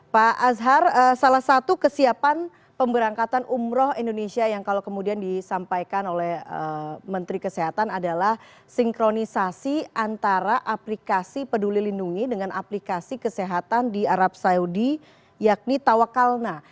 pak azhar salah satu kesiapan pemberangkatan umroh indonesia yang kalau kemudian disampaikan oleh menteri kesehatan adalah sinkronisasi antara aplikasi peduli lindungi dengan aplikasi kesehatan di arab saudi yakni tawakalna